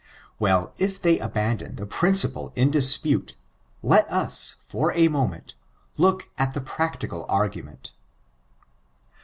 Well, if they abandon the principle in dispute, let us, for a moment, look at the practical argument.